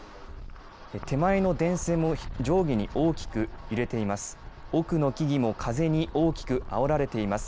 手前の電線も上下に大きく揺れています。